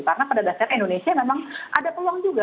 karena pada dasarnya indonesia memang ada peluang juga